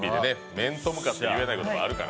面と向かって言えないことあるから。